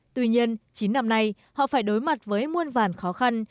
tuy nhiên chín năm nay họ phải đối mặt với muôn vàn khó khăn